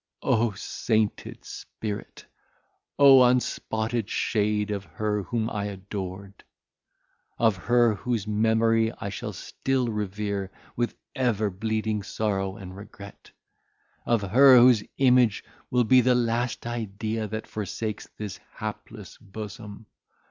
O sainted spirit! O unspotted shade of her whom I adored; of her whose memory I shall still revere with ever bleeding sorrow and regret; of her whose image will be the last idea that forsakes this hapless bosom!